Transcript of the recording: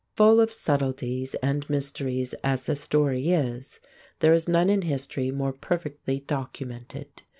] Full of subtleties and mysteries as the story is, there is none in history more perfectly documented.